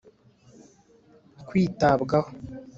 kwitabwaho